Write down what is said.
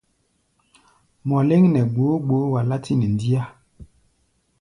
Mɔ léŋ nɛ gboó gboó, wa látí nɛ ndíá.